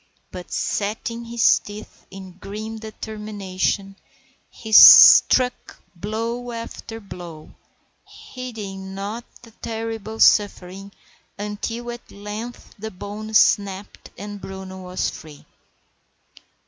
But, setting his teeth in grim determination, he struck blow after blow, heeding not the terrible suffering, until at length the bone snapped and Bruno was free.